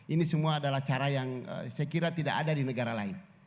ini semua adalah cara yang saya kira tidak ada di negara lain